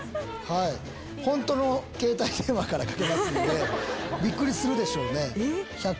本当の携帯電話からかけますんでびっくりするでしょうね。